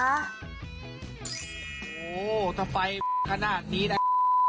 โหถ้าไฟขนาดดีได้